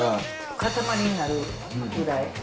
固まりになるぐらい？